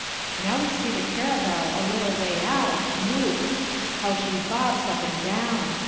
Now we see the caravel a little way out whoop! How she bobs up and down!